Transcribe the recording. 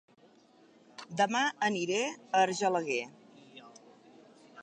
Dema aniré a Argelaguer